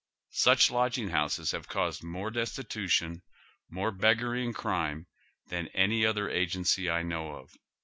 Such lodging houses have caused more destitution, more beggary and crime than any other agency I know of."